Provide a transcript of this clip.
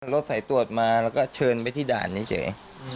รถสายตรวจมาแล้วก็เชิญไปที่ด่านเฉย